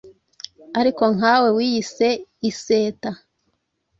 Ariko nkawe wiyise iseta